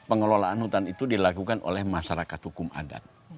pengelolaan hutan itu dilakukan oleh masyarakat hukum adat